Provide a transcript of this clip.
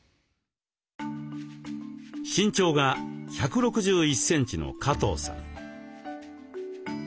身長が１６１センチの加藤さん。